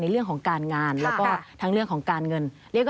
เรื่องของการงานแล้วก็ทั้งเรื่องของการเงิน